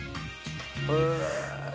へえ。